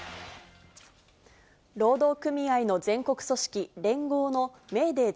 労働組合の全国組織、連合のメーデー